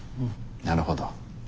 なるほど。